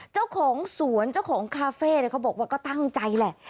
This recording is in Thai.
เจ้าของสวนเจ้าของคาเฟ่เขาบอกว่าก็ตั้งใจแหละ